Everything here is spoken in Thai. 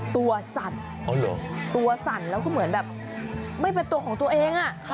สั่นตัวสั่นแล้วก็เหมือนแบบไม่เป็นตัวของตัวเอง